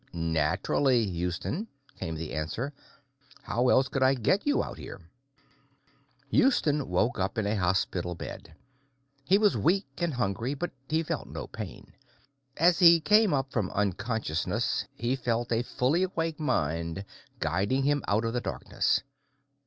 "Naturally, Houston," came the answer. "How else could I get you out here?" Houston woke up in a hospital bed. He was weak and hungry, but he felt no pain. As he came up from unconsciousness, he felt a fully awake mind guiding him out of the darkness.